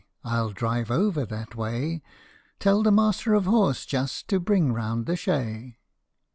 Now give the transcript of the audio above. I '11 drive over that way : Tell the Master of Horse just to bring round the chay."